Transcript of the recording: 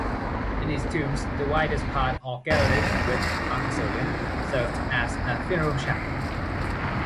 In these tombs, the widest part or gallery with arcosolium, served as a funeral chapel.